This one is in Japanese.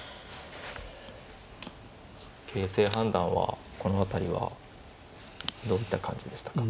形勢判断はこの辺りはどういった感じでしたか。